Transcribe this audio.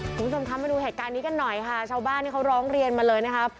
คุณผู้ชมคะมาดูเหตุการณ์นี้กันหน่อยค่ะชาวบ้านที่เขาร้องเรียนมาเลยนะครับ